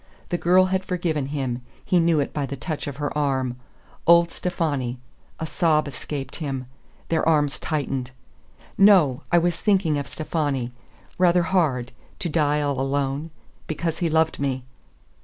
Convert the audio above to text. The girl had forgiven him; he knew it by the touch of her arm.... Old Stefani! A sob escaped him. Their arms tightened. "No; I was thinking of Stefani. Rather hard to die all alone because he loved me."